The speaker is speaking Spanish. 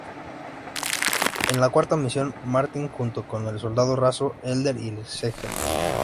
En la cuarta misión "Martin", junto con el soldado raso Elder y el Sgto.